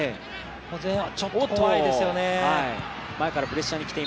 前半、ちょっと怖いですよね。